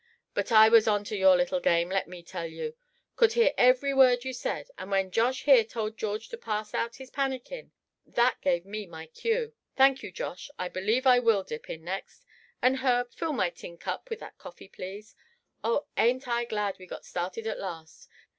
But I was on to your little game, let me tell you. Could hear every word you said, and when Josh here told George to pass out his pannikin, that gave me my cue. Thank you, Josh, I believe I will dip in next; and Herb, fill my tin cup with that coffee, please. Oh! ain't I glad we've got started at last.